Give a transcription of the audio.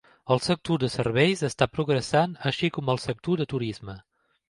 El sector de serveis està progressant així com el sector de turisme.